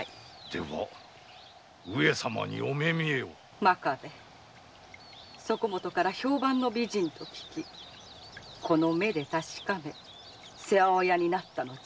では上様に「おめみえ」を。真壁そこもとから評判の美人と聞きこの目で確かめて世話親になったのじゃ。